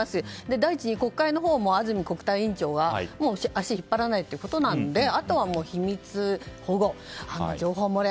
第一に国会のほうも安住国対委員長は足を引っ張らないということなのであとは秘密保護、情報漏れ